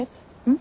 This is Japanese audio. ん？